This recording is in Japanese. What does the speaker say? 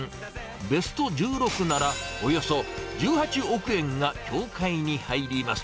ベスト１６ならおよそ１８億円が協会に入ります。